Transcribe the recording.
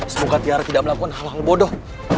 semoga tiara tidak melakukan hal hal bodoh